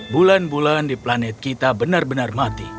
bulan bulan di planet kita benar benar mati